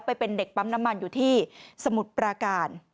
ไปเป็นเด็กปั๊มน้ำมันอยู่ที่สมุทรปราการ